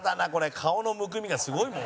顔のむくみがすごいもん。